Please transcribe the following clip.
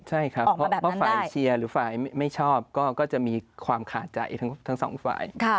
ใช่ครับเพราะฝ่ายเชียร์หรือฝ่ายไม่ชอบก็จะมีความขาดใจทั้งสองฝ่าย